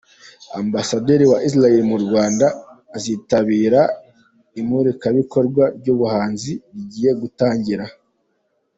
Ambasaderi wa Israel mu Rwanda azitabira imurikabikorwa ry’ ubuhinzi rigiye gutangira.